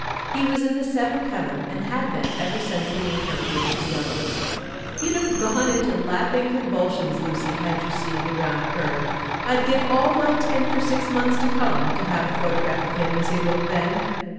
He was in the seventh heaven, and had been ever since the encounter with the yellows. "You'd have gone into laughing convulsions, Lucy had you seen the drowned cur. I'd give all my tin for six months to come to have a photograph of him as he looked then!"